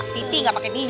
titik nggak pakai dj